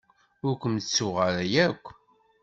Ur kem-ttuɣ ara akk.